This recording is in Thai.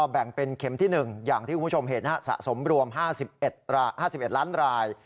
แบ่งเป็นเข็มที่๑อย่างที่คุณผู้ชมเห็นสะสมรวม๕๑ล้านราย